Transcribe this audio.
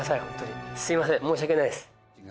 ホントにすみません申し訳ないです。